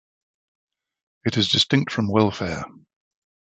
It is distinct from welfare.